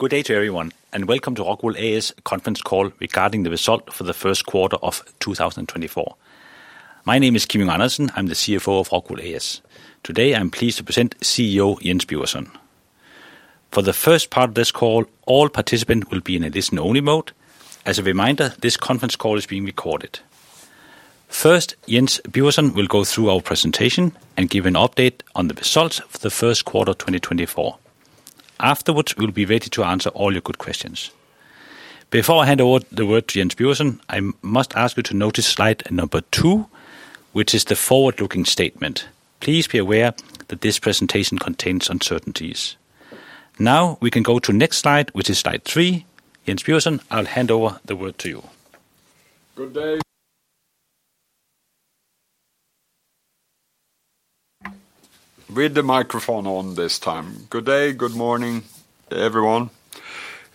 Good day to everyone, and welcome to ROCKWOOL A/S conference call regarding the result for the first quarter of 2024. My name is Kim Andersen. I'm the CFO of ROCKWOOL A/S. Today, I'm pleased to present CEO, Jens Birgersson. For the first part of this call, all participants will be in a listen-only mode. As a reminder, this conference call is being recorded. First, Jens Birgersson will go through our presentation and give an update on the results for the first quarter, 2024. Afterwards, we'll be ready to answer all your good questions. Before I hand over the word to Jens Birgersson, I must ask you to notice slide number 2, which is the forward-looking statement. Please be aware that this presentation contains uncertainties. Now, we can go to next slide, which is slide 3. Jens Birgersson, I'll hand over the word to you. Good day. With the microphone on this time. Good day, good morning, everyone.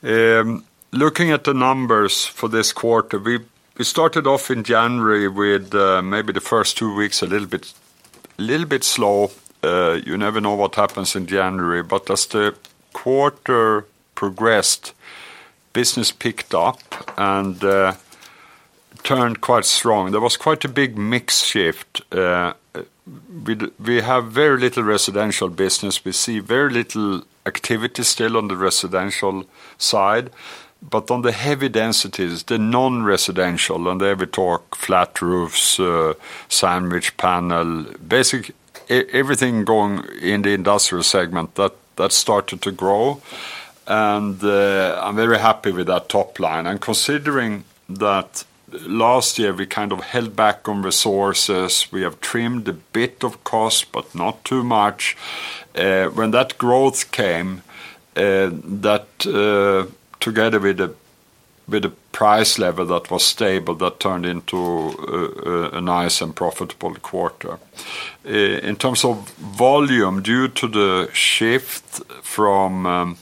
Looking at the numbers for this quarter, we, we started off in January with maybe the first two weeks a little bit, little bit slow. You never know what happens in January, but as the quarter progressed, business picked up and turned quite strong. There was quite a big mix shift. We have very little residential business. We see very little activity still on the residential side, but on the heavy densities, the non-residential, and there we talk flat roofs, sandwich panel, everything going in the industrial segment, that, that started to grow, and I'm very happy with that top line. And considering that last year, we kind of held back on resources, we have trimmed a bit of cost, but not too much. When that growth came, that together with the price level that was stable, that turned into a nice and profitable quarter. In terms of volume, due to the shift from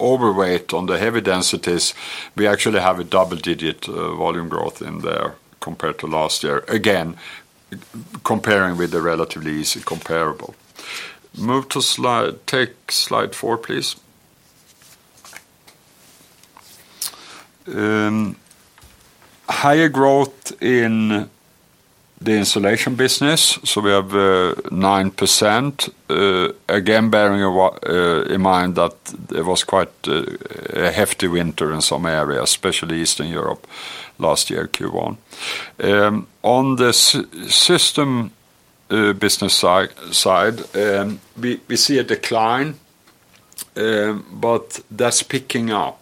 overweight on the heavy densities, we actually have a double-digit volume growth in there compared to last year. Again, comparing with the relatively easy comparable. Move to slide... Take slide 4, please. Higher growth in the insulation business, so we have 9%. Again, bearing in mind that it was quite a hefty winter in some areas, especially Eastern Europe, last year, Q1. On the system business side, we see a decline, but that's picking up.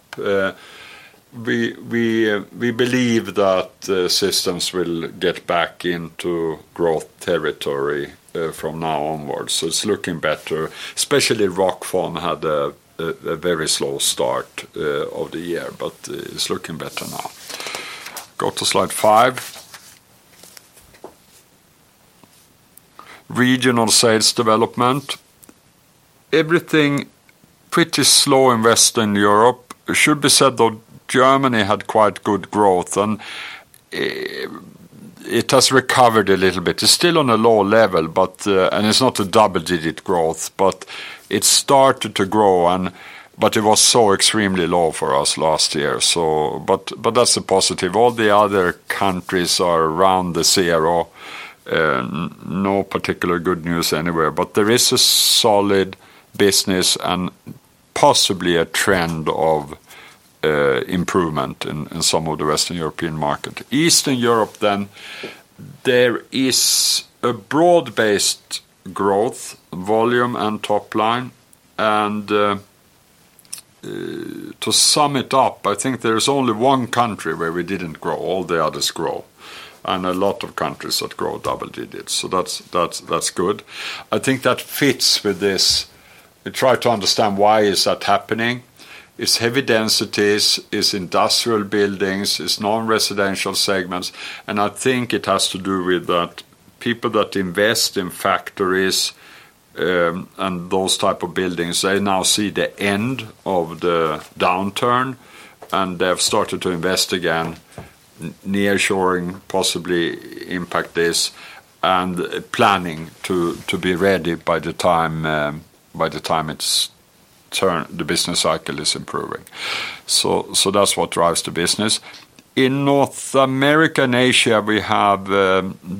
We believe that the systems will get back into growth territory from now onward, so it's looking better. Especially Rockfon had a very slow start of the year, but it's looking better now. Go to slide 5. Regional sales development. Everything pretty slow in Western Europe. It should be said, though, Germany had quite good growth, and it has recovered a little bit. It's still on a low level, but... It's not a double-digit growth, but it started to grow—but it was so extremely low for us last year, so... But that's a positive. All the other countries are around the zero. No particular good news anywhere, but there is a solid business and possibly a trend of improvement in some of the Western European market. Eastern Europe, then, there is a broad-based growth, volume, and top line, and, to sum it up, I think there is only one country where we didn't grow. All the others grow, and a lot of countries that grow double digits, so that's, that's, that's good. I think that fits with this. We try to understand why is that happening. It's heavy densities, it's industrial buildings, it's non-residential segments, and I think it has to do with that people that invest in factories, and those type of buildings, they now see the end of the downturn, and they have started to invest again. Nearshoring possibly impact this, and planning to, to be ready by the time, by the time it's turn, the business cycle is improving. So, so that's what drives the business. In North America and Asia, we have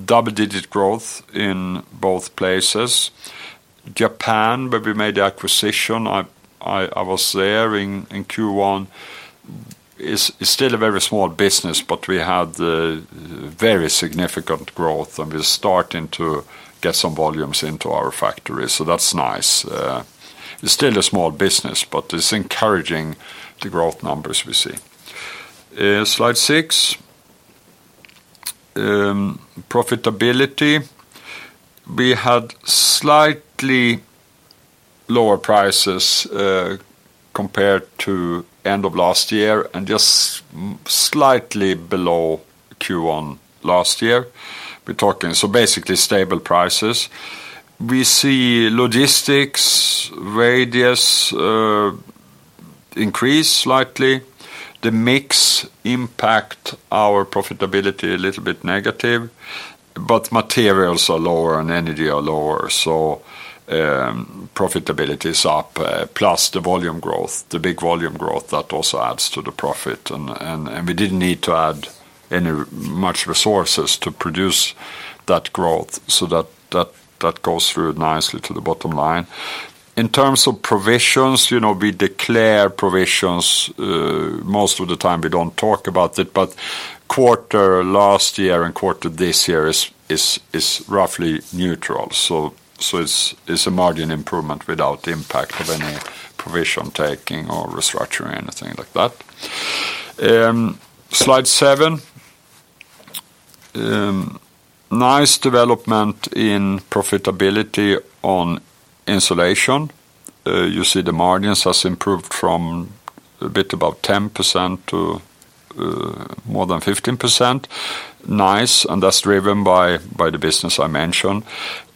double-digit growth in both places. Japan, where we made the acquisition, I was there in Q1. It's still a very small business, but we had the very significant growth, and we're starting to get some volumes into our factories, so that's nice. It's still a small business, but it's encouraging, the growth numbers we see. Slide 6. Profitability. We had slightly lower prices compared to end of last year, and just slightly below Q1 last year. We're talking, so basically stable prices. We see logistics radius increase slightly, the mix impact our profitability a little bit negative, but materials are lower, and energy are lower, so profitability is up, plus the volume growth, the big volume growth, that also adds to the profit. We didn't need to add any much resources to produce that growth, so that goes through nicely to the bottom line. In terms of provisions, you know, we declare provisions, most of the time we don't talk about it, but quarter last year and quarter this year is roughly neutral. So it's a margin improvement without the impact of any provision taking or restructuring, anything like that. Slide 7. Nice development in profitability on insulation. You see the margins has improved from a bit above 10% to more than 15%. Nice, and that's driven by the business I mentioned.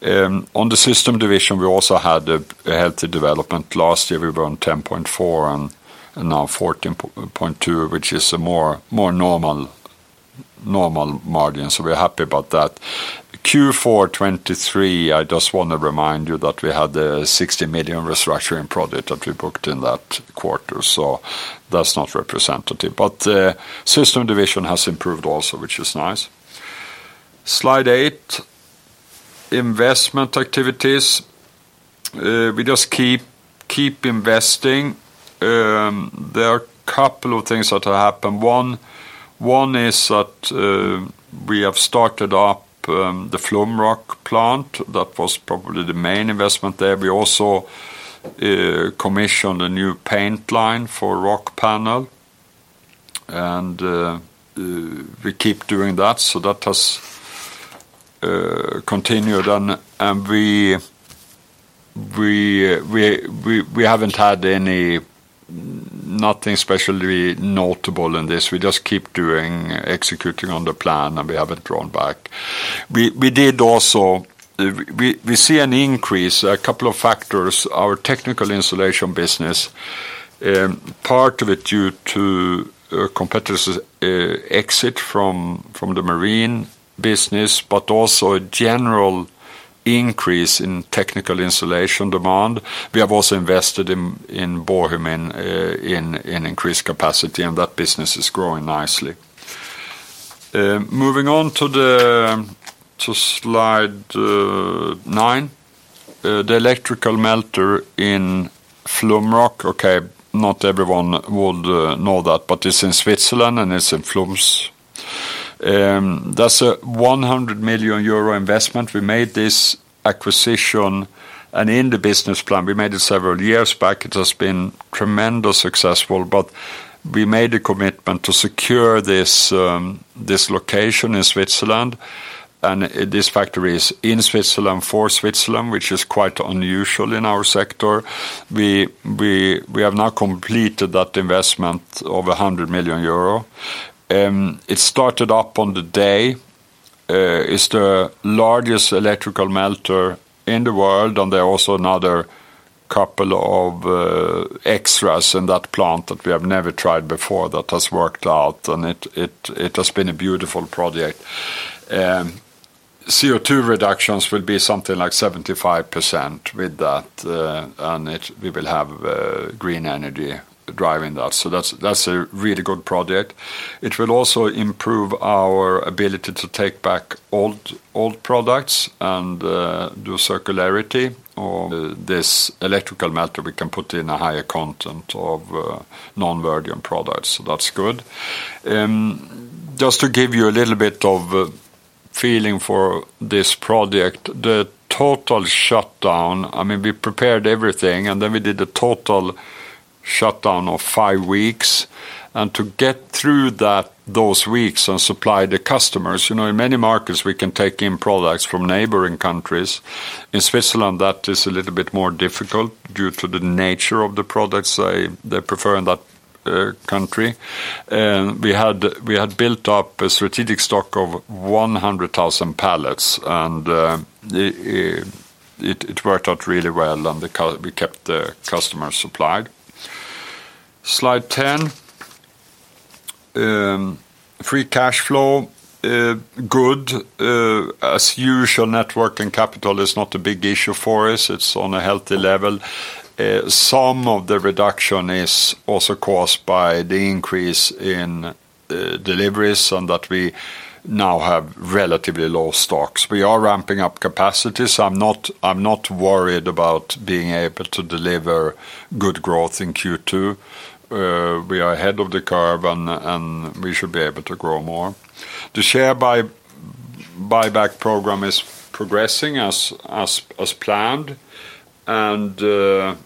On the system division, we also had a healthy development. Last year, we were on 10.4, and now 14.2, which is a more normal margin, so we're happy about that. Q4 2023, I just want to remind you that we had a 60 million restructuring profit that we booked in that quarter, so that's not representative. But the Systems division has improved also, which is nice. Slide 8, investment activities. We just keep investing. There are a couple of things that have happened. One is that we have started up the Flumroc plant. That was probably the main investment there. We also commissioned a new paint line for Rockpanel, and we keep doing that, so that has continued on. And we haven't had any... nothing especially notable in this. We just keep doing, executing on the plan, and we haven't drawn back. We did also. We see an increase, a couple of factors, our technical insulation business, part of it due to competitors exit from the marine business, but also a general increase in technical insulation demand. We have also invested in Bohumín in increased capacity, and that business is growing nicely. Moving on to slide 9, the electrical melter in Flumroc. Okay, not everyone would know that, but it's in Switzerland, and it's in Flums. That's a 100 million euro investment. We made this acquisition, and in the business plan, we made it several years back. It has been tremendously successful, but we made a commitment to secure this location in Switzerland, and this factory is in Switzerland, for Switzerland, which is quite unusual in our sector. We have now completed that investment of 100 million euro. It started up on the day. It's the largest electrical melter in the world, and there are also another couple of extras in that plant that we have never tried before that has worked out, and it has been a beautiful project. CO2 reductions will be something like 75% with that, and we will have green energy driving that. So that's a really good project. It will also improve our ability to take back old products and do circularity on this electrical melter. We can put in a higher content of non-virgin products, so that's good. Just to give you a little bit of a feeling for this project, the total shutdown, I mean, we prepared everything, and then we did a total shutdown of five weeks, and to get through that, those weeks and supply the customers, you know, in many markets, we can take in products from neighboring countries. In Switzerland, that is a little bit more difficult due to the nature of the products they prefer in that country. We had built up a strategic stock of 100,000 pallets, and it worked out really well, and we kept the customer supplied. Slide 10, free cash flow, good. As usual, net working capital is not a big issue for us. It's on a healthy level. Some of the reduction is also caused by the increase in deliveries and that we now have relatively low stocks. We are ramping up capacities. I'm not, I'm not worried about being able to deliver good growth in Q2. We are ahead of the curve, and we should be able to grow more. The share buyback program is progressing as planned, and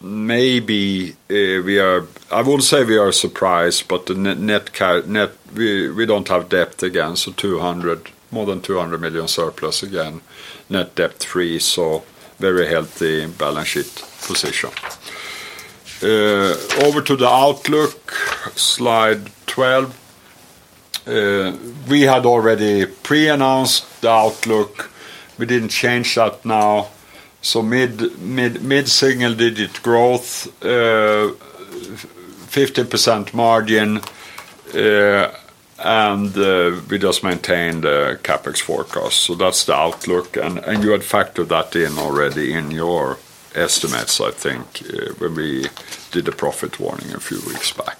maybe we are. I wouldn't say we are surprised, but the net. We don't have debt again, so 200, more than 200 million surplus again, net debt free, so very healthy balance sheet position. Over to the outlook, slide 12. We had already pre-announced the outlook. We didn't change that now, so mid-single digit growth, 50% margin, and we just maintained the CapEx forecast. So that's the outlook, and you had factored that in already in your estimates, I think, when we did the profit warning a few weeks back.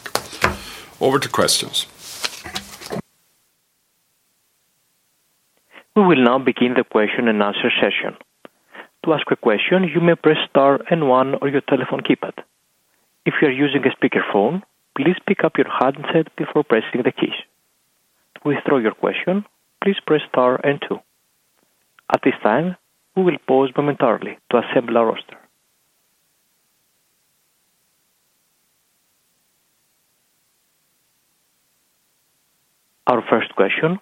Over to questions. We will now begin the question and answer session. To ask a question, you may press star and one on your telephone keypad. If you're using a speaker phone, please pick up your handset before pressing the keys. To withdraw your question, please press star and two. At this time, we will pause momentarily to assemble our roster. Our first question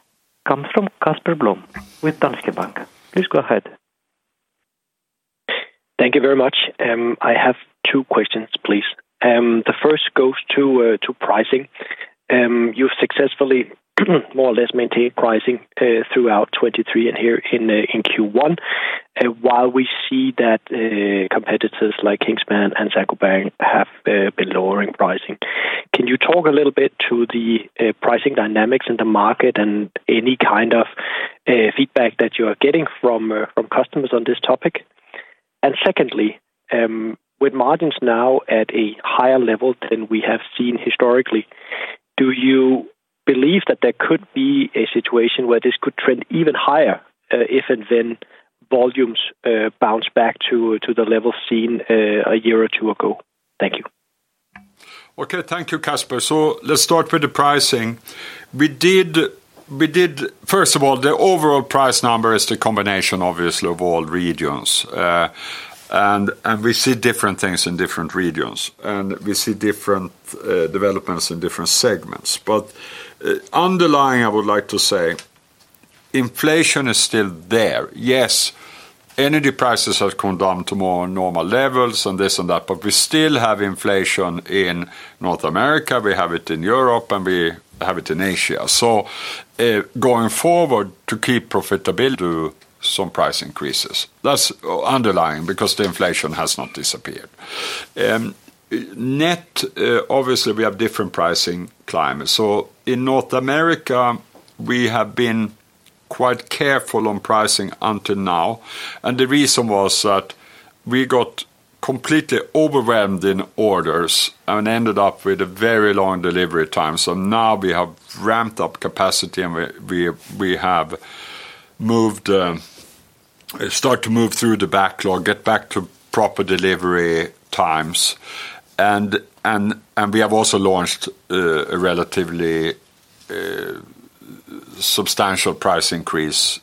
comes from Casper Blom with Danske Bank. Please go ahead. Thank you very much. I have two questions, please. The first goes to pricing. You've successfully, more or less, maintained pricing throughout 2023 and here in Q1, while we see that competitors like Kingspan and Saint-Gobain have been lowering pricing. Can you talk a little bit to the pricing dynamics in the market and any kind of feedback that you are getting from customers on this topic? And secondly, with margins now at a higher level than we have seen historically, do you believe that there could be a situation where this could trend even higher, if and when volumes bounce back to the level seen a year or two ago? Thank you. Okay. Thank you, Casper. So let's start with the pricing. First of all, the overall price number is the combination, obviously, of all regions. And we see different things in different regions, and we see different developments in different segments. But underlying, I would like to say inflation is still there. Yes, energy prices have come down to more normal levels, and this and that, but we still have inflation in North America, we have it in Europe, and we have it in Asia. So going forward, to keep profitability to some price increases, that's underlying because the inflation has not disappeared. Net, obviously we have different pricing climate. So in North America, we have been quite careful on pricing until now, and the reason was that we got completely overwhelmed in orders and ended up with a very long delivery time. So now we have ramped up capacity, and we have started to move through the backlog, get back to proper delivery times, and we have also launched a relatively substantial price increase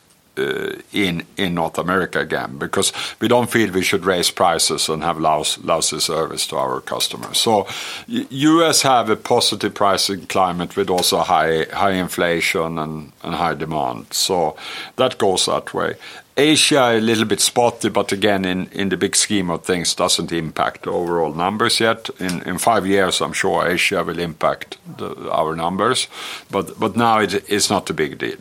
in North America again, because we don't feel we should raise prices and have lousy service to our customers. So U.S. have a positive pricing climate with also high inflation and high demand, so that goes that way. Asia, a little bit spotty, but again, in the big scheme of things, doesn't impact overall numbers yet. In five years, I'm sure Asia will impact our numbers, but now it's not a big deal.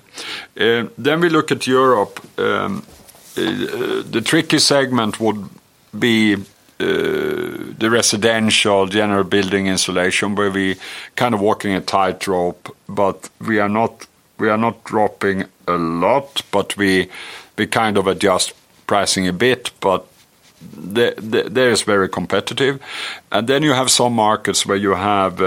Then we look at Europe. The tricky segment would be the residential general building insulation, where we kind of walking a tight rope, but we are not dropping a lot, but we kind of adjust pricing a bit, but there it's very competitive. And then you have some markets where you have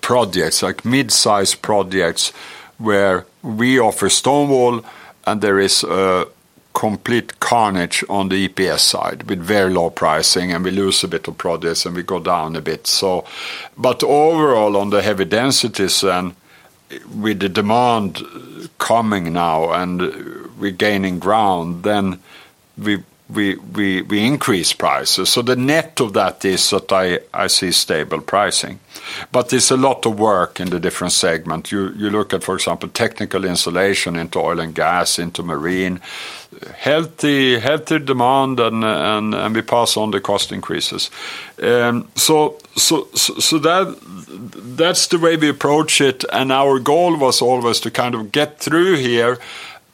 projects, like mid-sized projects, where we offer stone wool, and there is a complete carnage on the EPS side, with very low pricing, and we lose a bit of projects, and we go down a bit, so. But overall, on the heavy densities and with the demand coming now and regaining ground, then we increase prices. So the net of that is that I see stable pricing, but there's a lot of work in the different segment. You look at, for example, technical insulation into oil and gas, into marine, healthy demand and we pass on the cost increases. So that's the way we approach it, and our goal was always to kind of get through here,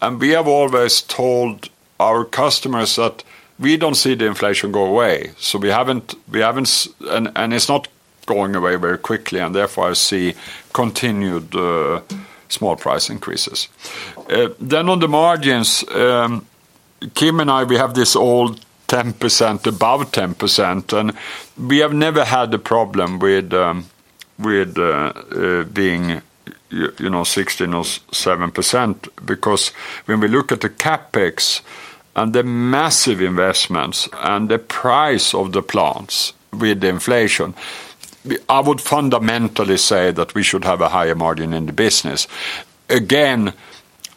and we have always told our customers that we don't see the inflation go away. So we haven't and it's not going away very quickly, and therefore, I see continued small price increases. Then on the margins, Kim and I, we have this all 10%, above 10%, and we have never had a problem with being, you know, 16% or 17%, because when we look at the CapEx and the massive investments and the price of the plants with the inflation, we. I would fundamentally say that we should have a higher margin in the business. Again,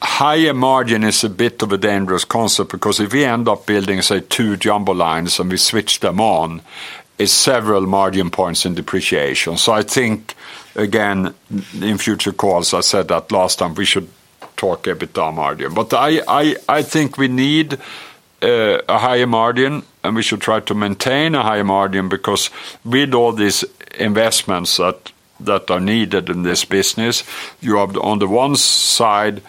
higher margin is a bit of a dangerous concept because if we end up building, say, 2 jumbo lines, and we switch them on, it's several margin points in depreciation. So I think, again, in future calls, I said that last time, we should talk EBITDA margin. But I think we need a higher margin, and we should try to maintain a higher margin, because with all these investments that are needed in this business, you have on the one side,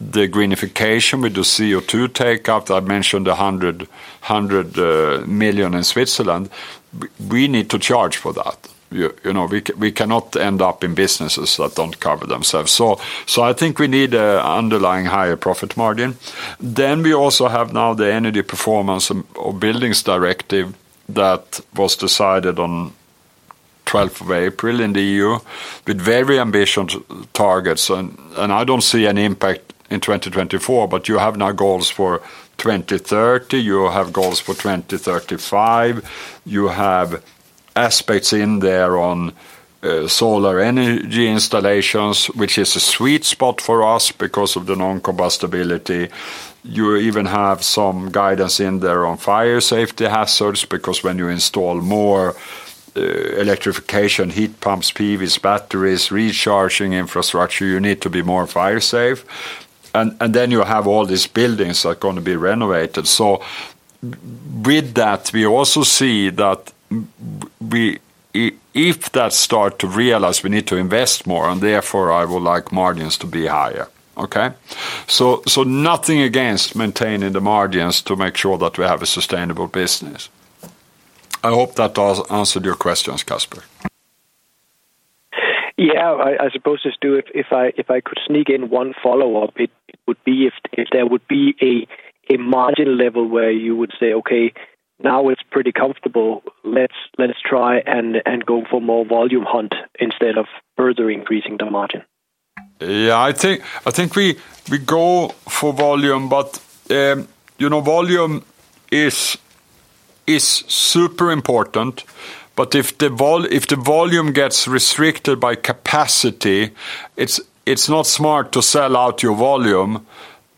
the greenification with the CO2 take up. I've mentioned the 100 million in Switzerland. We need to charge for that. You know, we cannot end up in businesses that don't cover themselves. So I think we need an underlying higher profit margin. Then we also have now the Energy Performance of Buildings Directive that was decided on twelfth of April in the EU, with very ambitious targets. And I don't see any impact in 2024, but you have now goals for 2030, you have goals for 2035. You have aspects in there on solar energy installations, which is a sweet spot for us because of the non-combustibility. You even have some guidance in there on fire safety hazards, because when you install more electrification, heat pumps, PVs batteries, recharging infrastructure, you need to be more fire safe. And then you have all these buildings that are gonna be renovated. So with that, we also see that if that start to realize, we need to invest more, and therefore I would like margins to be higher, okay? So nothing against maintaining the margins to make sure that we have a sustainable business. I hope that also answered your questions, Casper. Yeah, I suppose it do. If I could sneak in one follow-up, it would be if there would be a margin level where you would say, "Okay, now it's pretty comfortable. Let's try and go for more volume hunt instead of further increasing the margin. Yeah, I think we go for volume, but you know, volume is super important, but if the volume gets restricted by capacity, it's not smart to sell out your volume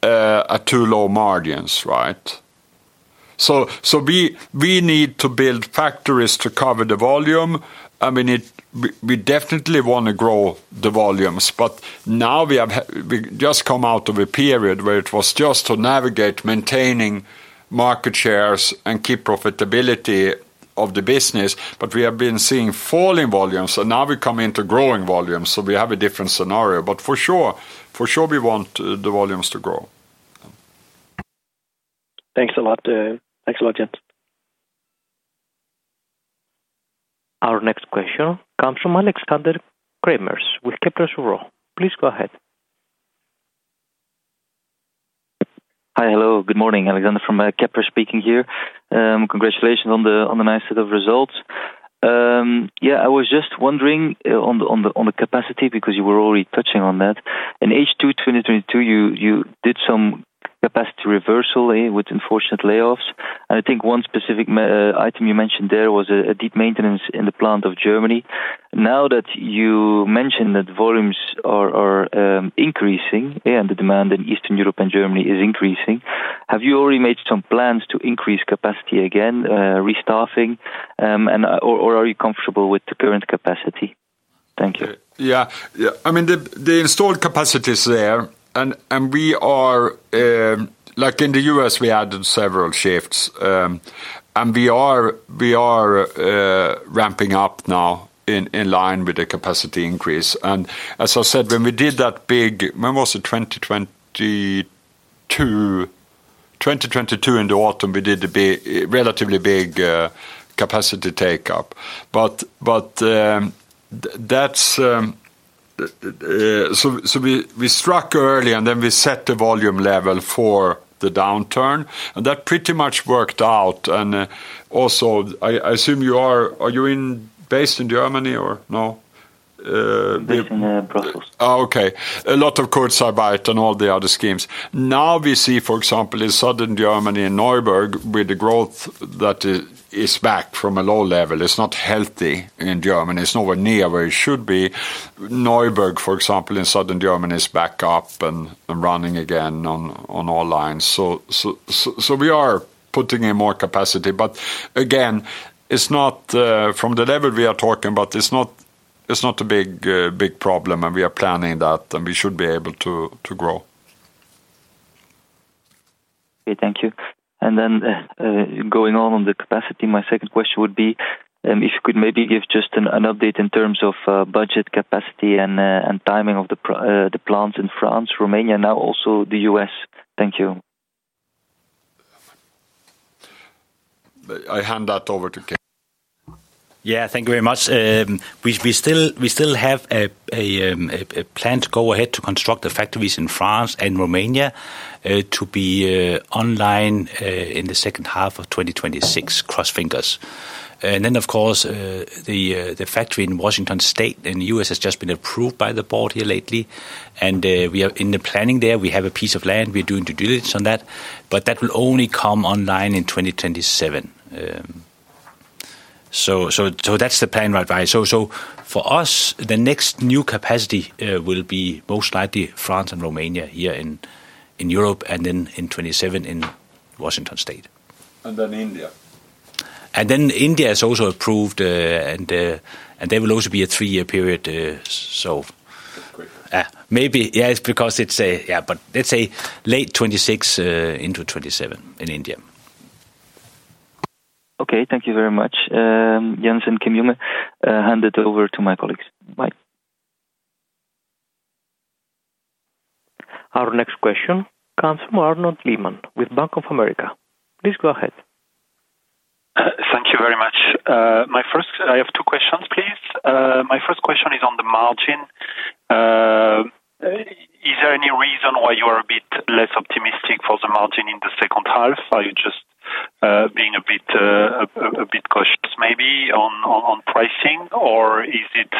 at too low margins, right? So we need to build factories to cover the volume. I mean, we definitely wanna grow the volumes, but now we just come out of a period where it was just to navigate, maintaining market shares, and keep profitability of the business, but we have been seeing falling volumes, so now we come into growing volumes, so we have a different scenario. But for sure, for sure, we want the volumes to grow. Thanks a lot, Thanks a lot, gents. Our next question comes from Alexander Craeymeersch with Kepler Cheuvreux. Please go ahead. Hi. Hello, good morning. Alexander from, Kepler speaking here. Congratulations on the, on the nice set of results. Yeah, I was just wondering, on the, on the, on the capacity, because you were already touching on that. In H2 2022, you did some capacity reversal, with unfortunate layoffs, and I think one specific item you mentioned there was a, a deep maintenance in the plant of Germany. Now, that you mentioned that volumes are increasing, and the demand in Eastern Europe and Germany is increasing, have you already made some plans to increase capacity again, restaffing, and or are you comfortable with the current capacity? Thank you. Yeah. Yeah, I mean, the installed capacity is there, and we are like in the U.S., we added several shifts, and we are ramping up now in line with the capacity increase. And as I said, when we did that big... When was it? 2022, 2022 in the autumn, we did a big, a relatively big capacity take up. But that's so we struck early, and then we set the volume level for the downturn, and that pretty much worked out. And also, I assume you are based in Germany or no? Based in Brussels. Oh, okay. A lot of Kurzarbeit and all the other schemes. Now, we see, for example, in Southern Germany, in Neuburg, with the growth that is back from a low level, it's not healthy in Germany. It's nowhere near where it should be. Neuburg, for example, in Southern Germany, is back up and running again on all lines. So, we are putting in more capacity, but again, it's not from the level we are talking about, it's not a big problem, and we are planning that, and we should be able to grow. Okay. Thank you. And then, going on, on the capacity, my second question would be, if you could maybe give just an update in terms of budget capacity and timing of the plants in France, Romania, now also the U.S.. Thank you. I hand that over to Kim. Yeah, thank you very much. We still have a plan to go ahead to construct the factories in France and Romania, to be online, in the second half of 2026. Cross fingers. And then, of course, the factory in Washington State, in the U.S., has just been approved by the board here lately, and we are in the planning there. We have a piece of land. We're doing due diligence on that, but that will only come online in 2027. So that's the plan right away. So for us, the next new capacity will be most likely France and Romania here in Europe, and then in 2027 in Washington State. And then India. And then India is also approved, and, and there will also be a three-year period, so- That's great. Maybe, yeah, it's because it's. Yeah, but let's say late 2026 into 2027 in India. Okay, thank you very much, Jens and Kim. I hand it over to my colleagues. Bye. Our next question comes from Arnaud Lehmann with Bank of America. Please go ahead. Thank you very much. My first—I have two questions, please. My first question is on the margin. Is there any reason why you are a bit less optimistic for the margin in the second half? Are you just being a bit cautious maybe on pricing? Or is it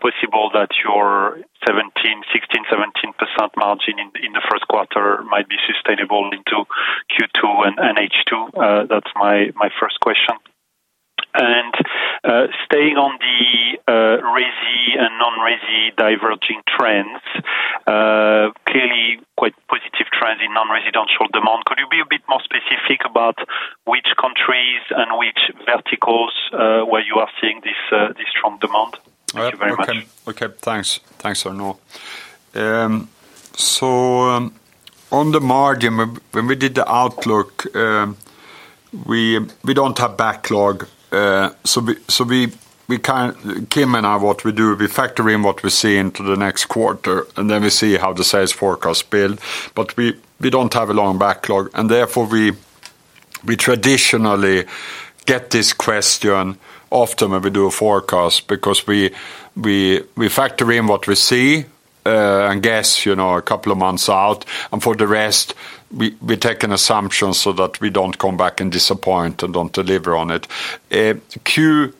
possible that your 17, 16, 17% margin in the first quarter might be sustainable into Q2 and H2? That's my first question. And staying on the resi and non-resi diverging trends, clearly quite positive trends in non-residential demand. Could you be a bit more specific about which countries and which verticals where you are seeing this strong demand? Thank you very much. Okay. Okay, thanks. Thanks, Arnaud. So, on the margin, when we did the outlook, we don't have backlog, so we kind- Kim and I, what we do, we factor in what we see into the next quarter, and then we see how the sales forecast build. But we don't have a long backlog, and therefore, we traditionally get this question often when we do a forecast because we factor in what we see, and guess, you know, a couple of months out, and for the rest, we take an assumption so that we don't come back and disappoint and don't deliver on it. Q...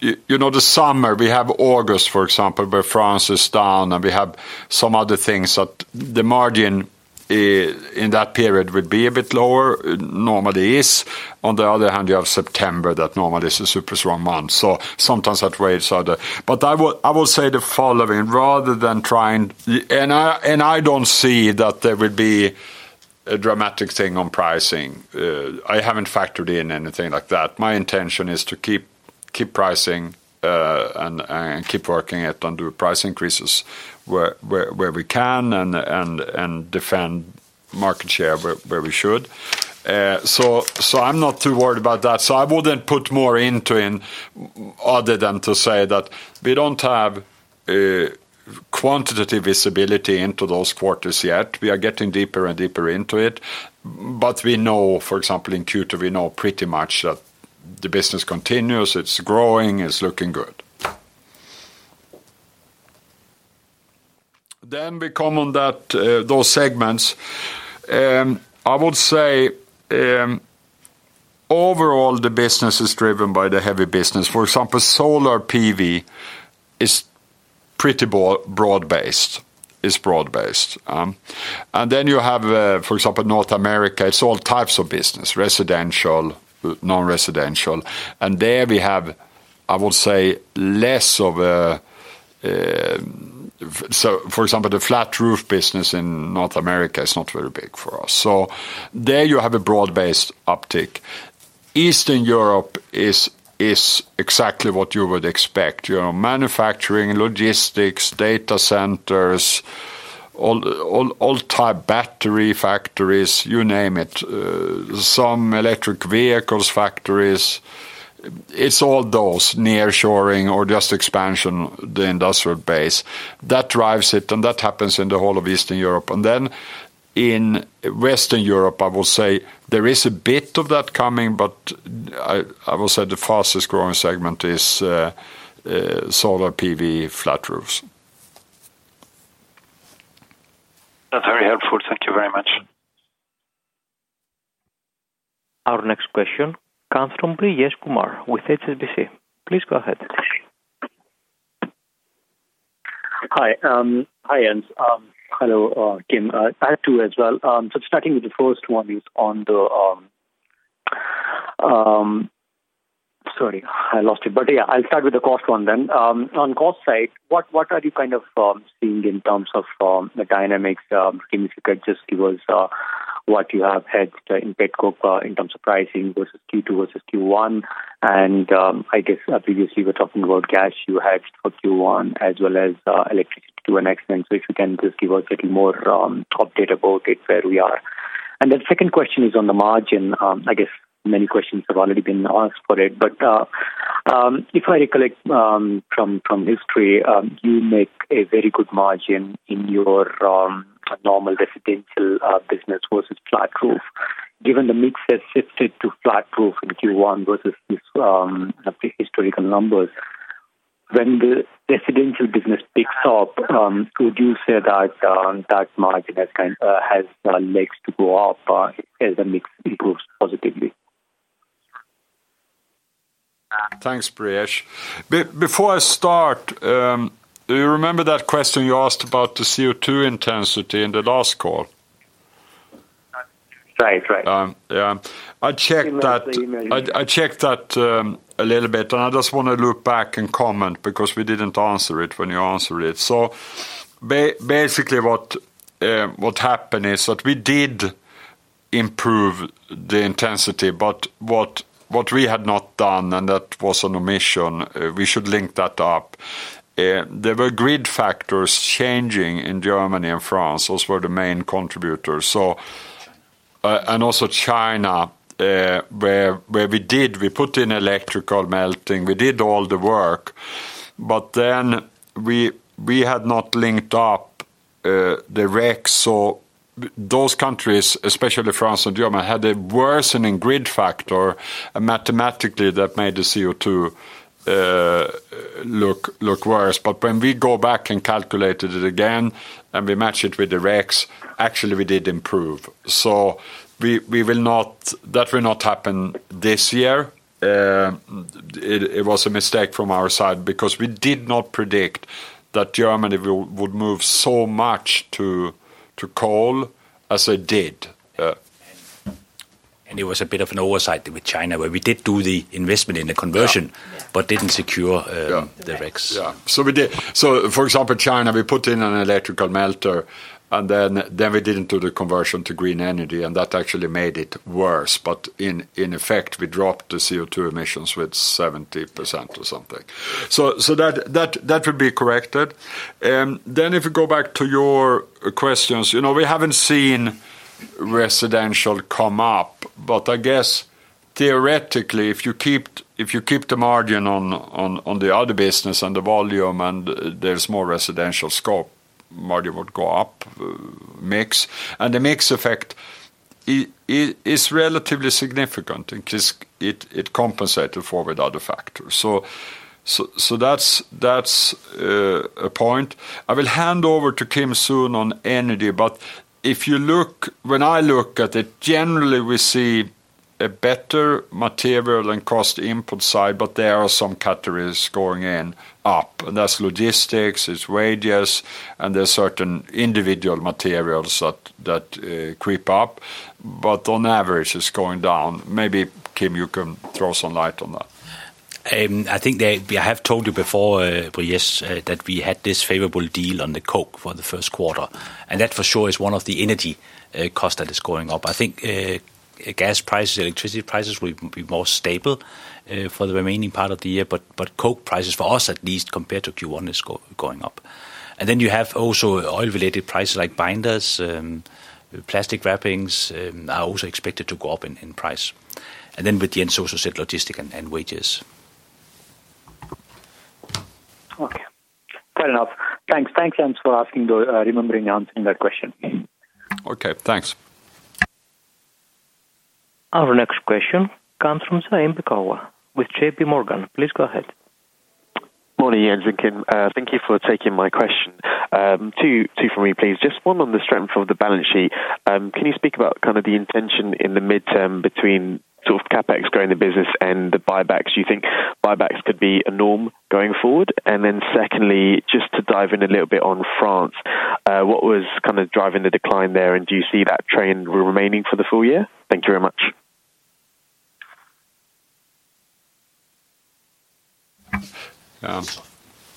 You know, the summer, we have August, for example, where France is down, and we have some other things that the margin in that period would be a bit lower, normally is. On the other hand, you have September, that normally is a super strong month, so sometimes that waves are the... But I would, I would say the following: rather than trying, and I, and I don't see that there would be a dramatic thing on pricing. I haven't factored in anything like that. My intention is to keep, keep pricing, and, and keep working it, and do price increases where, where, where we can and, and, and defend market share where, where we should. So, so I'm not too worried about that. So I wouldn't put more into in other than to say that we don't have quantitative visibility into those quarters yet. We are getting deeper and deeper into it, but we know, for example, in Q2, we know pretty much that the business continues, it's growing, it's looking good. Then we come on that those segments, I would say overall, the business is driven by the heavy business. For example, solar PV is pretty broad-based, is broad-based, and then you have, for example, North America, it's all types of business, residential, non-residential, and there we have, I would say, less of a. So for example, the flat roof business in North America is not very big for us. So there you have a broad-based uptick. Eastern Europe is exactly what you would expect, you know, manufacturing, logistics, data centers, all type battery factories, you name it, some electric vehicles factories. It's all those, nearshoring or just expansion, the industrial base. That drives it, and that happens in the whole of Eastern Europe. And then in Western Europe, I would say there is a bit of that coming, but I would say the fastest growing segment is solar PV flat roofs. That's very helpful. Thank you very much. Our next question comes from Brijesh Kumar with HSBC. Please go ahead. Hi, hi, Jens. Hello, Kim. I have two as well. So starting with the first one is on the... Sorry, I lost it. But yeah, I'll start with the cost one then. On cost side, what are you kind of seeing in terms of the dynamics? Can you just give us what you have had in scope in terms of pricing versus Q2 versus Q1? And I guess previously we were talking about cash you had for Q1, as well as electricity to an extent. So if you can just give us a little more update about it, where we are. And then second question is on the margin. I guess many questions have already been asked for it, but if I recollect, from history, you make a very good margin in your normal residential business versus flat roof. Given the mix has shifted to flat roof in Q1 versus the historical numbers, when the residential business picks up, would you say that margin has kind of legs to go up as the mix improves positively? Thanks, Brijesh. Before I start, do you remember that question you asked about the CO2 intensity in the last call? Right. Right. Yeah, I checked that- Similar thing, maybe. I checked that a little bit, and I just want to loop back and comment because we didn't answer it when you answered it. So basically, what happened is that we did improve the intensity, but what we had not done, and that was an omission, we should link that up. There were grid factors changing in Germany and France, those were the main contributors. So, and also China, where we put in electrical melting. We did all the work, but then we had not linked up the RECs, so those countries, especially France and Germany, had a worsening grid factor, and mathematically, that made the CO2 look worse. But when we go back and calculated it again, and we match it with the RECs, actually we did improve. So we will not—that will not happen this year. It was a mistake from our side, because we did not predict that Germany would move so much to coal as it did. It was a bit of an oversight with China, where we did do the investment in the conversion- Yeah. - but didn't secure Yeah - the RECs. Yeah. So we did. So, for example, China, we put in an electrical melter, and then, then we didn't do the conversion to green energy, and that actually made it worse. But in, in effect, we dropped the CO2 emissions with 70% or something. So, so that, that, that will be corrected. Then if you go back to your questions, you know, we haven't seen residential come up, but I guess theoretically, if you keep, if you keep the margin on, on, on the other business and the volume and there's more residential scope, margin would go up, mix. And the mix effect i- i- is relatively significant because it, it compensated for with other factors. So, so, so that's, that's, a point. I will hand over to Kim soon on energy, but if you look... When I look at it, generally we see a better material and cost input side, but there are some categories going in, up, and that's logistics, it's wages, and there are certain individual materials that creep up. But on average, it's going down. Maybe, Kim, you can throw some light on that. I think that I have told you before, that we had this favorable deal on the coke for the first quarter, and that for sure is one of the energy, cost that is going up. I think, gas prices, electricity prices will be more stable, for the remaining part of the year, but coke prices, for us at least, compared to Q1, is going up. And then you have also oil-related prices like binders, plastic wrappings, are also expected to go up in price. And then with Jens also said, logistics and wages. Okay. Fair enough. Thanks. Thank you for asking, remembering, and answering that question. Okay, thanks. Our next question comes from Zaim Beekawa with JPMorgan. Please go ahead. Morning, Jens and Kim. Thank you for taking my question. Two, two for me, please. Just one on the strength of the balance sheet. Can you speak about kind of the intention in the midterm between sort of CapEx growing the business and the buybacks? Do you think buybacks could be a norm going forward? And then secondly, just to dive in a little bit on France, what was kind of driving the decline there, and do you see that trend remaining for the full year? Thank you very much.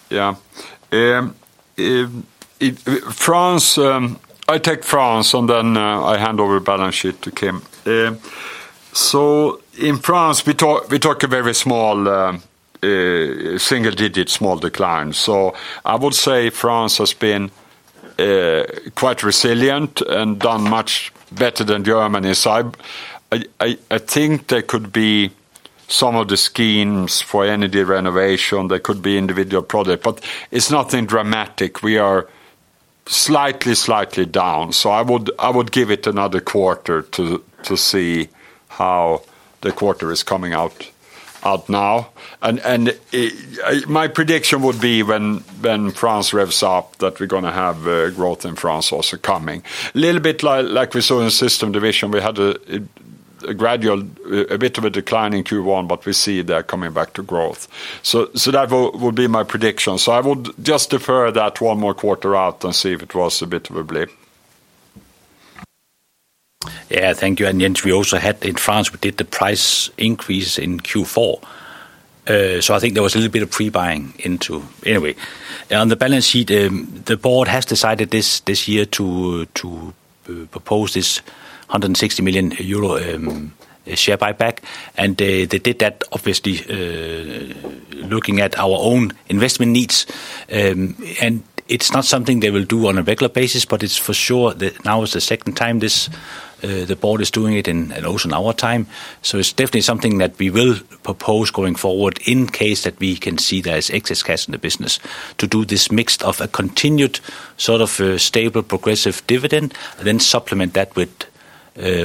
Yeah. France, I take France, and then I hand over balance sheet to Kim. So in France, we talk a very small single digit small decline. So I would say France has been quite resilient and done much better than Germany. So I think there could be some of the schemes for energy renovation, there could be individual project, but it's nothing dramatic. We are slightly down, so I would give it another quarter to see how the quarter is coming out now. And my prediction would be when France revs up, that we're gonna have growth in France also coming. A little bit like we saw in the systems division, we had a gradual, a bit of a decline in Q1, but we see that coming back to growth. So that will be my prediction. So I would just defer that one more quarter out and see if it was a bit of a blip. Yeah, thank you. And Jens, we also had in France, we did the price increase in Q4. So I think there was a little bit of pre-buying into... Anyway, on the balance sheet, the board has decided this year to propose this 160 million euro share buyback, and they did that obviously looking at our own investment needs. And it's not something they will do on a regular basis, but it's for sure that now is the second time the board is doing it, and also in our time. So it's definitely something that we will propose going forward in case that we can see there is excess cash in the business, to do this mix of a continued, sort of, stable, progressive dividend, then supplement that with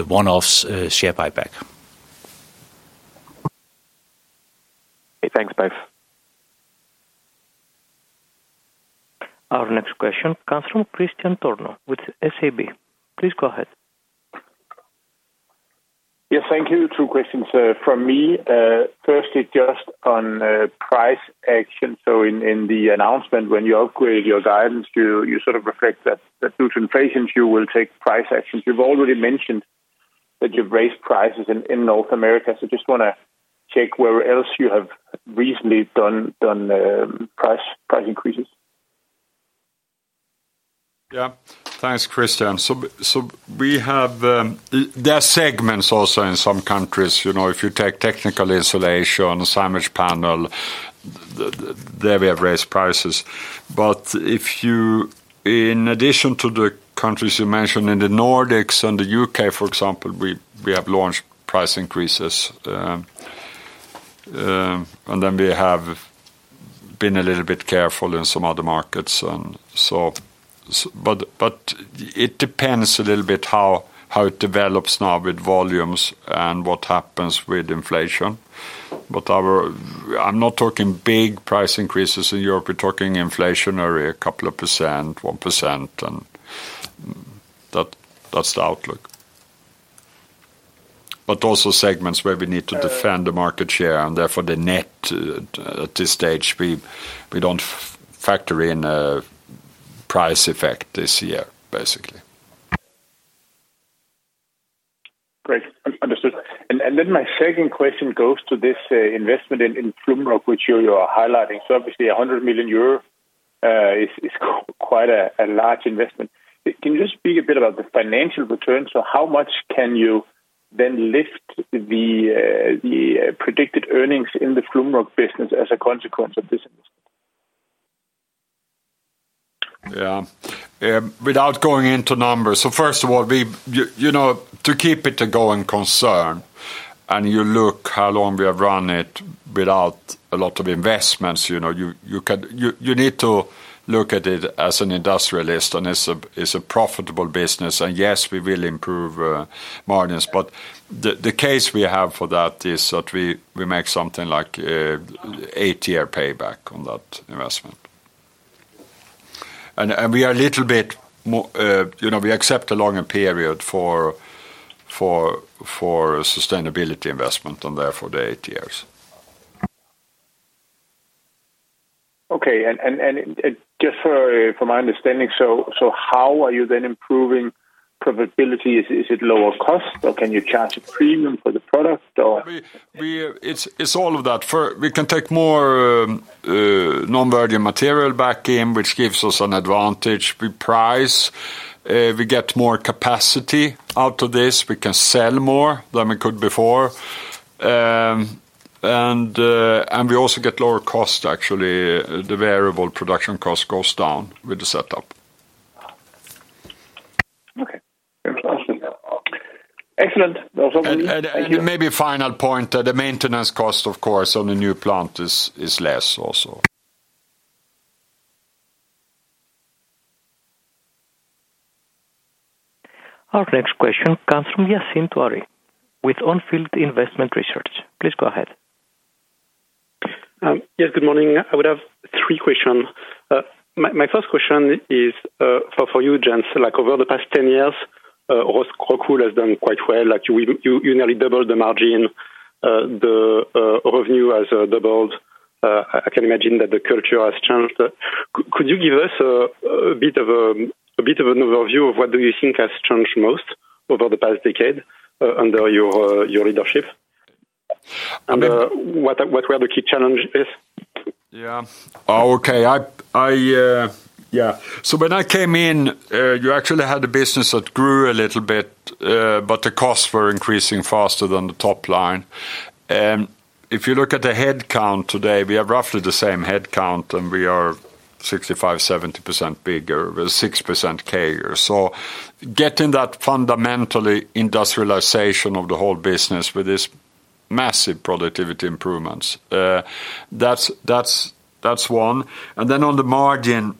one-offs, share buyback. Thanks, both. Our next question comes from Christian Tornow with SEB. Please go ahead. Yes, thank you. Two questions from me. Firstly, just on price action. So in the announcement, when you upgrade your guidance, you sort of reflect that due to inflation, you will take price actions. You've already mentioned that you've raised prices in North America. So just wanna check where else you have recently done price increases? Yeah. Thanks, Christian. So we have, there are segments also in some countries, you know, if you take technical insulation, sandwich panel, there we have raised prices. But if you—in addition to the countries you mentioned, in the Nordics and the U.K., for example, we have launched price increases. And then we have been a little bit careful in some other markets. But it depends a little bit how it develops now with volumes and what happens with inflation. But our—I'm not talking big price increases in Europe. We're talking inflationary, a couple of %, 1%, and that's the outlook. But also segments where we need to defend the market share, and therefore, the net, at this stage, we don't factor in a price effect this year, basically. Great, understood. And, and then my second question goes to this investment in Flumroc, which you are highlighting. So obviously, 100 million euro is quite a large investment. Can you just speak a bit about the financial returns? So how much can you then lift the predicted earnings in the Flumroc business as a consequence of this investment? Yeah. Without going into numbers, so first of all, you know, to keep it a going concern, and you look how long we have run it without a lot of investments, you know, you need to look at it as an industrialist, and it's a profitable business. And yes, we will improve margins, but the case we have for that is that we make something like 8-year payback on that investment. And we are a little bit more, you know, we accept a longer period for sustainability investment, and therefore, the 8 years. Okay, and just for my understanding, so how are you then improving profitability? Is it lower cost, or can you charge a premium for the product, or? It's all of that. We can take more non-virgin material back in, which gives us an advantage. We price, we get more capacity out of this. We can sell more than we could before. We also get lower cost, actually. The variable production cost goes down with the setup. Okay, fantastic. Excellent. Maybe final point, the maintenance cost, of course, on the new plant is less also. Our next question comes from Yassine Touahri with On Field Investment Research. Please go ahead. Yes, good morning. I would have three questions. My first question is for you, Jens. Like, over the past 10 years, ROCKWOOL has done quite well. Like, you nearly doubled the margin. The revenue has doubled. I can imagine that the culture has changed. Could you give us a bit of an overview of what you think has changed most over the past decade under your leadership? I mean- What are the key challenges is? Yeah. Okay. Yeah, so when I came in, you actually had a business that grew a little bit, but the costs were increasing faster than the top line. And if you look at the headcount today, we have roughly the same headcount, and we are 65-70% bigger, with 6% CAGR. So getting that fundamentally industrialization of the whole business with this massive productivity improvements, that's one. And then on the margin,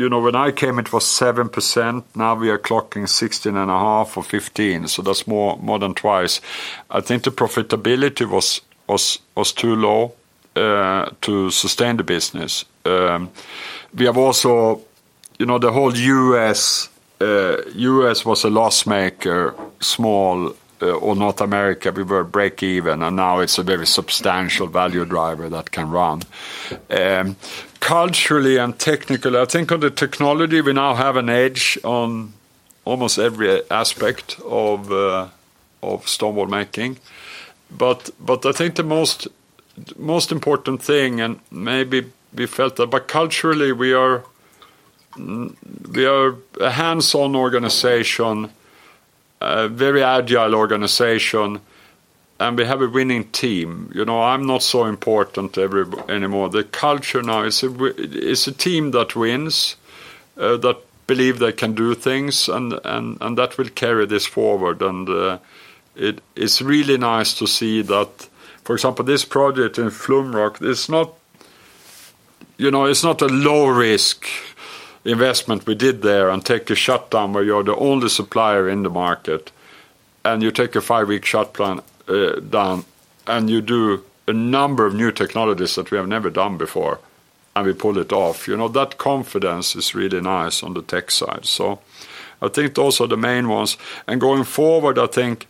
you know, when I came, it was 7%. Now, we are clocking 16.5% or 15%, so that's more than twice. I think the profitability was too low to sustain the business. We have also, you know, the whole U.S., U.S. was a loss maker, small, or North America, we were break even, and now it's a very substantial value driver that can run. Culturally and technically, I think on the technology, we now have an edge on almost every aspect of stone wool making. But, but I think the most, most important thing, and maybe we felt that, but culturally, we are, we are a hands-on organization, a very agile organization, and we have a winning team. You know, I'm not so important anymore. The culture now, it's a team that wins, that believe they can do things, and, and, and that will carry this forward. It's really nice to see that, for example, this project in Flumroc. It's not, you know, it's not a low-risk investment we did there, and take a shutdown where you're the only supplier in the market, and you take a five-week shutdown, and you do a number of new technologies that we have never done before, and we pull it off. You know, that confidence is really nice on the tech side. So I think those are the main ones. And going forward, I think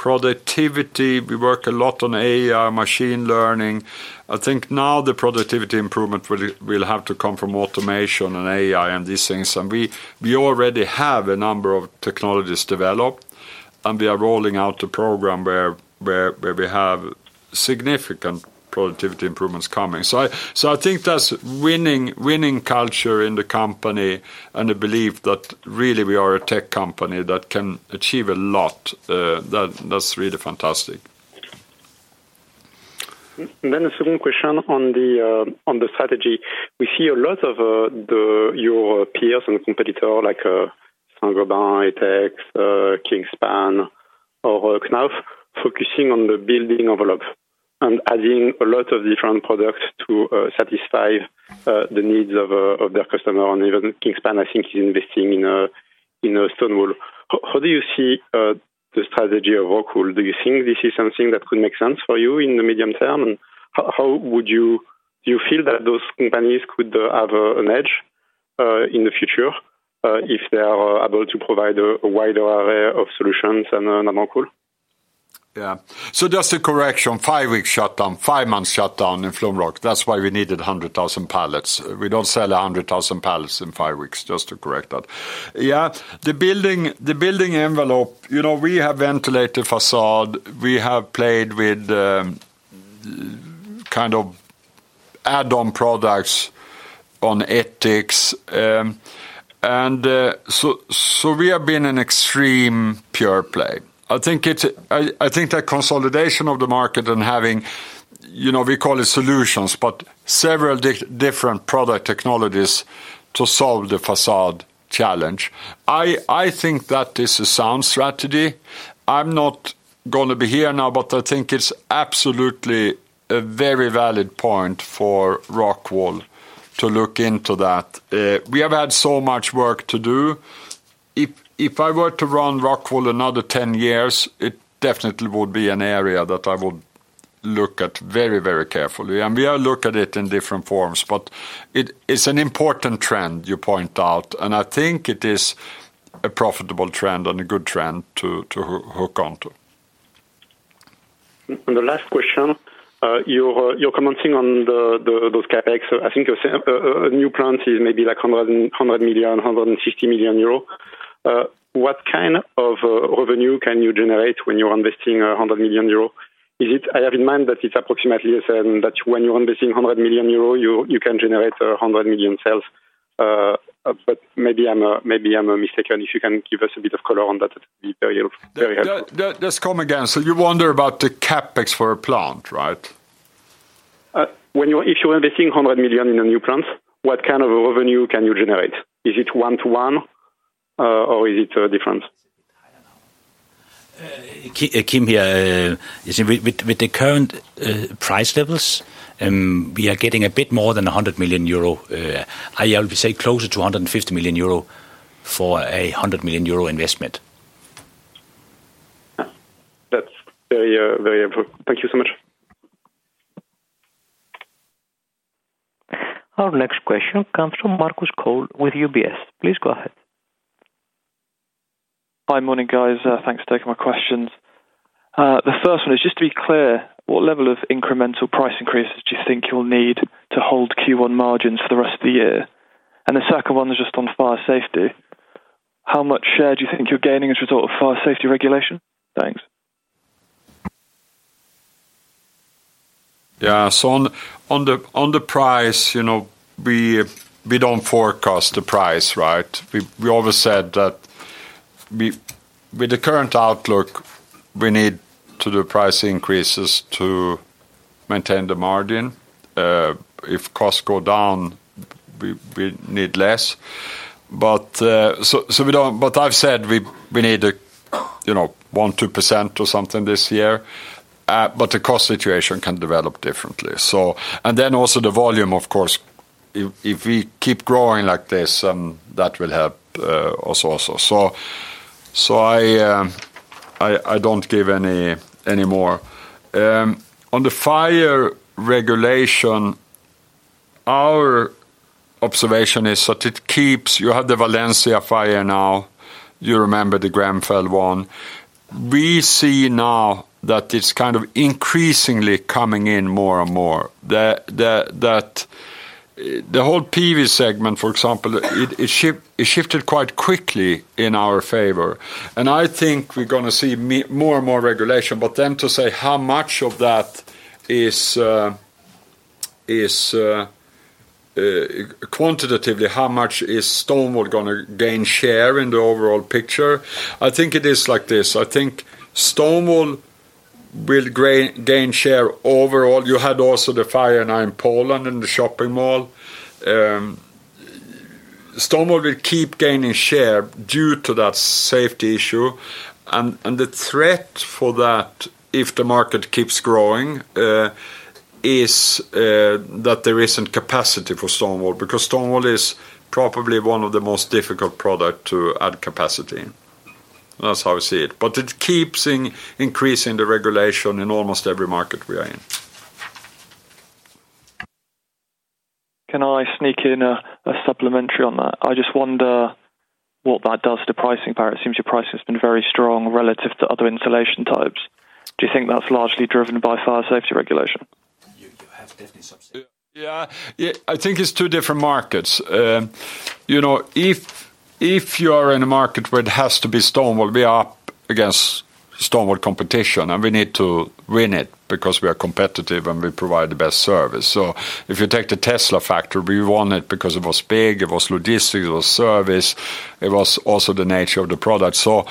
productivity. We work a lot on AI, machine learning. I think now the productivity improvement will have to come from automation and AI, and these things, and we already have a number of technologies developed, and we are rolling out a program where we have significant productivity improvements coming. So I think that's winning, winning culture in the company, and a belief that really we are a tech company that can achieve a lot, that's really fantastic. Then the second question on the strategy. We see a lot of your peers and competitor like Saint-Gobain, Etex, Kingspan, or Knauf, focusing on the building envelope, and adding a lot of different products to satisfy the needs of their customer. And even Kingspan, I think, is investing in stone wool. How do you see the strategy of ROCKWOOL? Do you think this is something that could make sense for you in the medium term? And how would you do you feel that those companies could have an edge in the future if they are able to provide a wider array of solutions than ROCKWOOL? Yeah. So just a correction, 5 weeks shutdown, 5 months shutdown in Flumroc. That's why we needed 100,000 pallets. We don't sell a 100,000 pallets in 5 weeks, just to correct that. Yeah, the building envelope, you know, we have ventilated façade, we have played with kind of add-on products on Etex, and. So we have been an extreme pure play. I think it's. I think that consolidation of the market and having, you know, we call it solutions, but several different product technologies to solve the façade challenge. I think that is a sound strategy. I'm not gonna be here now, but I think it's absolutely a very valid point for ROCKWOOL to look into that. We have had so much work to do. If I were to run ROCKWOOL another 10 years, it definitely would be an area that I would look at very, very carefully. And we have looked at it in different forms, but it is an important trend you point out, and I think it is a profitable trend and a good trend to hook onto. The last question, you're commenting on the, the, those CapEx. So I think a new plant is maybe, like, 100-150 million euro. What kind of revenue can you generate when you're investing 100 million euro? Is it—I have in mind that it's approximately the same, that when you're investing 100 million euro, you can generate 100 million sales. But maybe I'm mistaken. If you can give us a bit of color on that, it would be very, very helpful. Just come again. So you wonder about the CapEx for a plant, right? If you are investing 100 million in a new plant, what kind of revenue can you generate? Is it 1-to-1, or is it different? Kim here. You see, with the current price levels, we are getting a bit more than 100 million euro, I would say closer to 250 million euro for a 100 million euro investment. That's very, very helpful. Thank you so much. Our next question comes from Marcus Cole with UBS. Please go ahead. Hi. Morning, guys. Thanks for taking my questions. The first one is just to be clear, what level of incremental price increases do you think you'll need to hold Q1 margins for the rest of the year? And the second one is just on fire safety. How much share do you think you're gaining as a result of fire safety regulation? Thanks. Yeah. So on the price, you know, we don't forecast the price, right? We always said that with the current outlook, we need to do price increases to maintain the margin. If costs go down, we need less. But so we don't... But I've said we need a, you know, 1%-2% or something this year, but the cost situation can develop differently. So and then also the volume, of course, if we keep growing like this, that will help us also. So I don't give any more. On the fire regulation, our observation is that it keeps... You have the Valencia fire now, you remember the Grenfell one. We see now that it's kind of increasingly coming in more and more. The whole PV segment, for example, it shifted quite quickly in our favor, and I think we're gonna see more and more regulation. But then to say how much of that is quantitatively, how much is stone wool gonna gain share in the overall picture? I think it is like this: I think stone wool will gain share overall. You had also the fire now in Poland, in the shopping mall. Stone wool will keep gaining share due to that safety issue, and the threat for that, if the market keeps growing, is that there isn't capacity for stone wool, because stone wool is probably one of the most difficult product to add capacity. That's how I see it, but it keeps increasing the regulation in almost every market we are in. Can I sneak in a supplementary on that? I just wonder what that does to pricing power. It seems your pricing has been very strong relative to other insulation types. Do you think that's largely driven by fire safety regulation? You have definitely subsidized. Yeah, yeah, I think it's two different markets. You know, if you are in a market where it has to be stone wool, we are up against stone wool competition, and we need to win it because we are competitive, and we provide the best service. So if you take the Tesla factory, we won it because it was big, it was logistical, it was service, it was also the nature of the product. So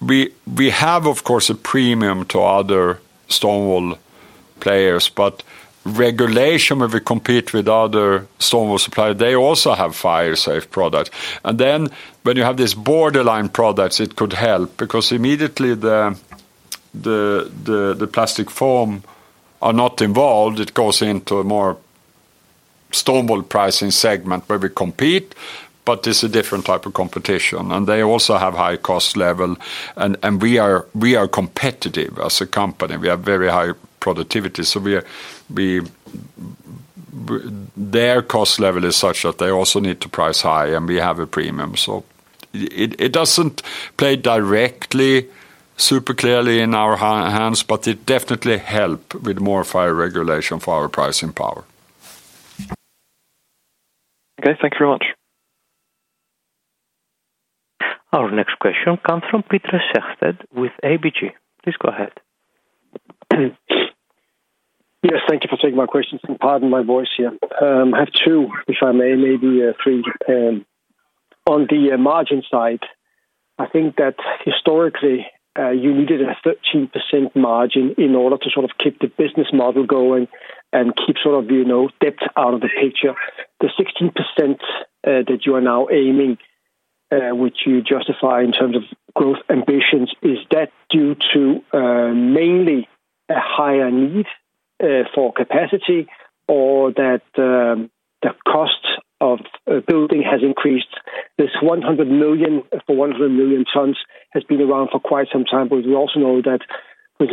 we have, of course, a premium to other stone wool players, but regulation, where we compete with other stone wool supplier, they also have fire safe product. And then when you have these borderline products, it could help because immediately the plastic foam are not involved, it goes into a more stone wool pricing segment where we compete, but it's a different type of competition, and they also have high cost level. And we are competitive as a company. We have very high productivity, so their cost level is such that they also need to price high, and we have a premium. So it doesn't play directly super clearly in our hands, but it definitely help with more fire regulation for our pricing power. Okay, thank you very much. Our next question comes from Peter Sehested with ABG. Please go ahead. Yes, thank you for taking my questions, and pardon my voice here. I have two, if I may, maybe, three. On the margin side, I think that historically, you needed a 13% margin in order to sort of keep the business model going and keep sort of, you know, debt out of the picture. The 16% that you are now aiming, which you justify in terms of growth ambitions, is that due to mainly a higher need for capacity, or that the cost of building has increased? This 100 million, for 100 million tons has been around for quite some time, but we also know that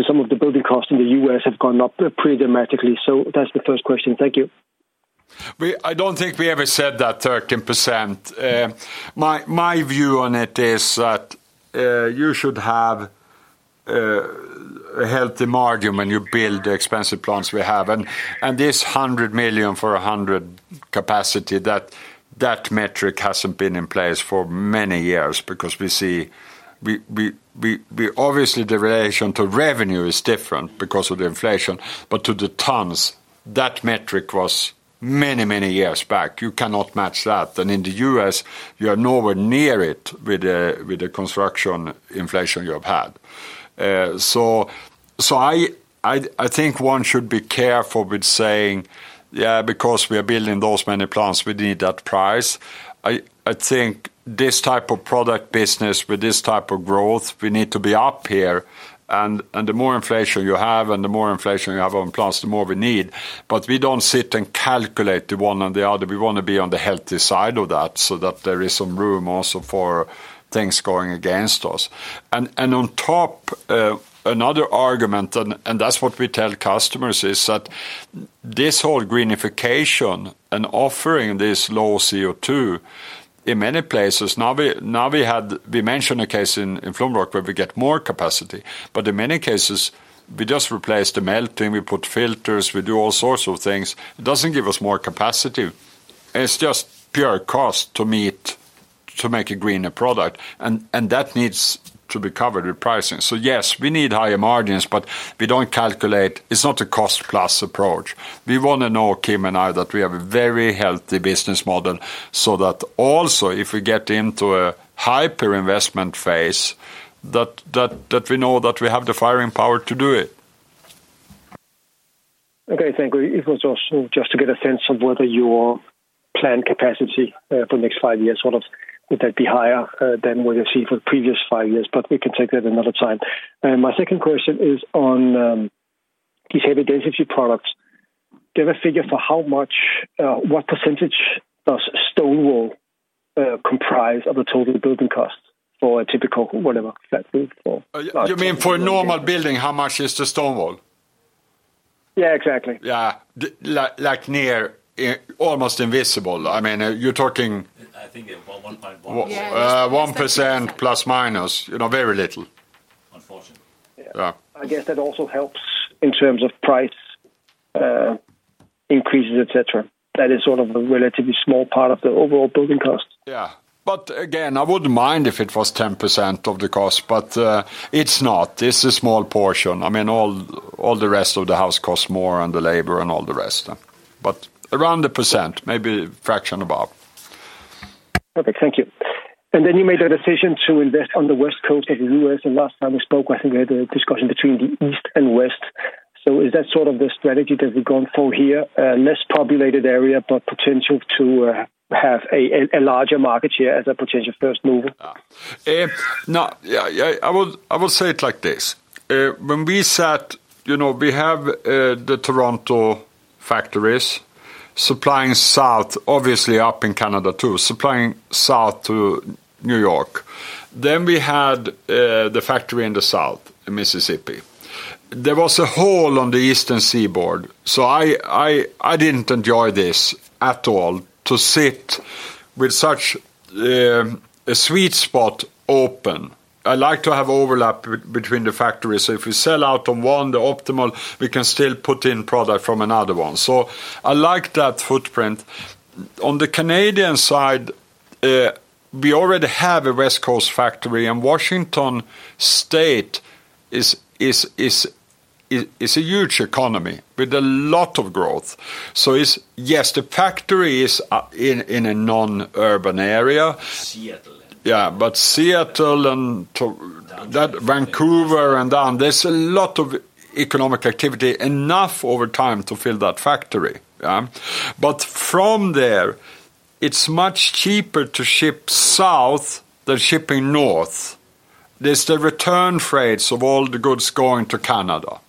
some of the building costs in the U.S. have gone up pretty dramatically. So that's the first question. Thank you. I don't think we ever said that 13%. My view on it is that you should have a healthy margin when you build the expensive plants we have. And this 100 million for 100 capacity, that metric hasn't been in place for many years because we see... obviously, the relation to revenue is different because of the inflation, but to the tons, that metric was many, many years back. You cannot match that. And in the U.S., you are nowhere near it with the construction inflation you have had. I think one should be careful with saying, "Yeah, because we are building those many plants, we need that price." I think this type of product business with this type of growth, we need to be up here, and the more inflation you have, and the more inflation you have on plants, the more we need. But we don't sit and calculate the one or the other. We wanna be on the healthy side of that, so that there is some room also for things going against us. On top, another argument, and that's what we tell customers, is that this whole greenification and offering this low CO2, in many places, now we had, we mentioned a case in Flumroc, where we get more capacity, but in many cases, we just replace the melting, we put filters, we do all sorts of things. It doesn't give us more capacity. It's just pure cost to meet, to make a greener product, and that needs to be covered with pricing. So yes, we need higher margins, but we don't calculate... It's not a cost-plus approach. We wanna know, Kim and I, that we have a very healthy business model, so that also, if we get into a hyper investment phase, that we know that we have the firepower to do it. Okay, thank you. It was also just to get a sense of whether your planned capacity for the next five years, sort of, would that be higher than what you've seen for the previous five years, but we can take that another time. My second question is on these heavy density products. Do you have a figure for how much what percentage does stone wool comprise of the total building cost for a typical whatever that is for? You mean for a normal building, how much is the stone wool? Yeah, exactly. Yeah. Like, like near, almost invisible. I mean, you're talking- I think about 1.1. 1% plus, minus, you know, very little. Unfortunately. Yeah. I guess that also helps in terms of price, increases, et cetera. That is sort of a relatively small part of the overall building cost. Yeah. But again, I wouldn't mind if it was 10% of the cost, but it's not. It's a small portion. I mean, all, all the rest of the house costs more, and the labor, and all the rest. But around 1%, maybe a fraction above. Okay, thank you. Then you made a decision to invest on the West Coast of the U.S., and last time we spoke, I think we had a discussion between the East and West. Is that sort of the strategy that we're going for here? Less populated area, but potential to have a larger market share as a potential first mover? No, yeah, yeah, I would say it like this. When we sat... You know, we have the Toronto factories supplying south, obviously up in Canada, too, supplying south to New York. Then we had the factory in the south, in Mississippi. There was a hole on the Eastern Seaboard, so I didn't enjoy this at all, to sit with such a sweet spot open. I like to have overlap between the factories, so if we sell out on one, the optimal, we can still put in product from another one. So I like that footprint. On the Canadian side, we already have a West Coast factory, and Washington State is a huge economy with a lot of growth. So it's yes, the factory is in a non-urban area. Seattle. Yeah, but Seattle and to Vancouver and down, there's a lot of economic activity, enough, over time, to fill that factory, yeah? But from there, it's much cheaper to ship south than shipping north. There's the return freights of all the goods going to Canada.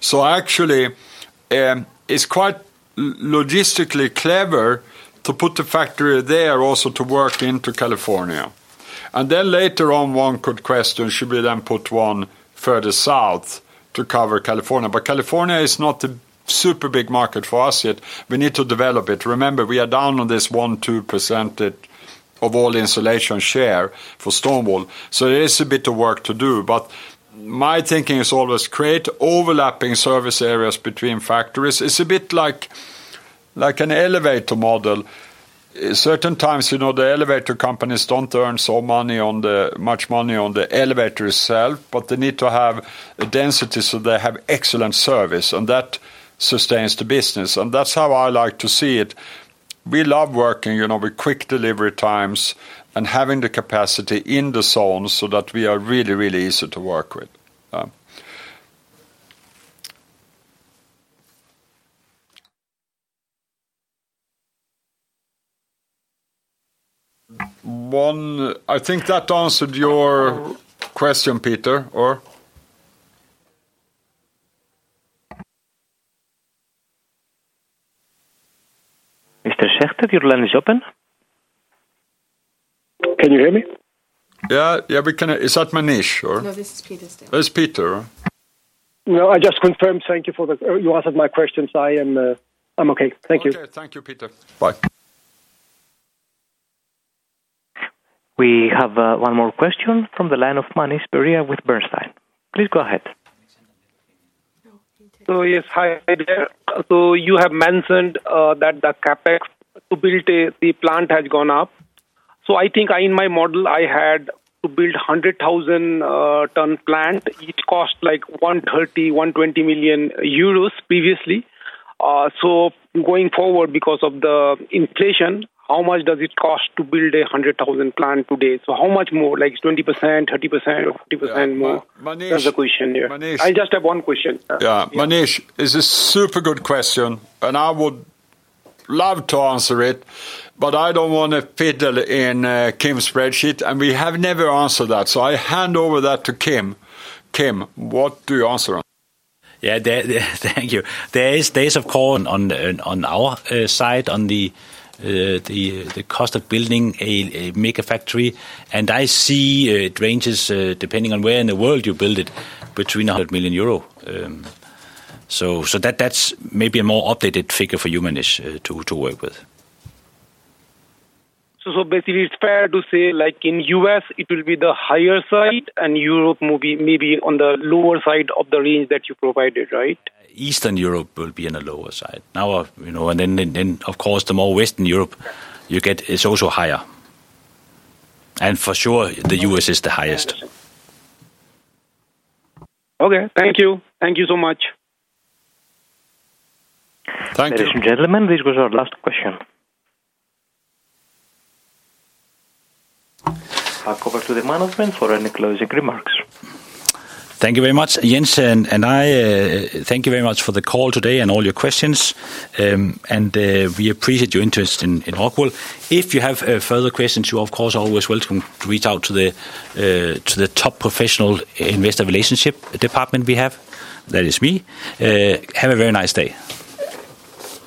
So actually, it's quite logistically clever to put the factory there also to work into California. And then later on, one could question, should we then put one further south to cover California? But California is not a super big market for us yet. We need to develop it. Remember, we are down on this 1-2% of all insulation share for stone wool, so there is a bit of work to do. But my thinking is always create overlapping service areas between factories. It's a bit like an elevator model. Certain times, you know, the elevator companies don't earn much money on the elevator itself, but they need to have a density, so they have excellent service, and that sustains the business, and that's how I like to see it. We love working, you know, with quick delivery times and having the capacity in the zone so that we are really, really easy to work with. I think that answered your question, Peter, or? Mr. Schecter, your line is open. Can you hear me? Yeah. Yeah, we can. Is that Manish or? No, this is Peter Stein. It's Peter, huh? No, I just confirmed. Thank you for the... You answered my questions. I am, I'm okay. Thank you. Okay. Thank you, Peter. Bye. We have one more question from the line of Manish Beria with Bernstein. Please go ahead. Oh, you take it. So, yes, hi there. So you have mentioned that the CapEx to build the, the plant has gone up. So I think in my model, I had to build 100,000-ton plant. It cost, like, 130 million, 120 million euros previously. So going forward, because of the inflation, how much does it cost to build a 100,000-ton plant today? So how much more? Like, 20%, 30%, or 50% more? Yeah, Manish- That's the question there. Manish- I just have one question, sir. Yeah, Manish, it's a super good question, and I would love to answer it, but I don't wanna fiddle in, Kim's spreadsheet, and we have never answered that, so I hand over that to Kim. Kim, what do you answer on? Yeah, thank you. There is days, of course, on our side, on the cost of building a mega factory, and I see it ranges depending on where in the world you build it, between 100 million euro. So, that's maybe a more updated figure for you, Manish, to work with. So, so basically, it's fair to say, like in U.S., it will be the higher side, and Europe maybe, maybe on the lower side of the range that you provided, right? Eastern Europe will be on the lower side. Now, you know, and then, then, of course, the more Western Europe you get, it's also higher. And for sure, the U.S. is the highest. Okay, thank you. Thank you so much. Thank you. Ladies and gentlemen, this was our last question. Back over to the management for any closing remarks. Thank you very much, Jens and I, thank you very much for the call today and all your questions. We appreciate your interest in Rockwool. If you have further questions, you're, of course, always welcome to reach out to the top professional investor relationship department we have. That is me. Have a very nice day.